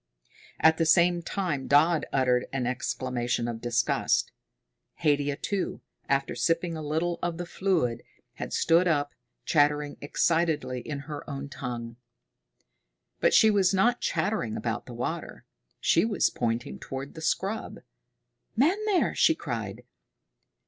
At the same time Dodd uttered an exclamation of disgust. Haidia, too, after sipping a little of the fluid, had stood up, chattering excitedly in her own language. But she was not chattering about the water. She was pointing toward the scrub. "Men there!" she cried.